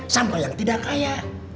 sampai yang tidak kaya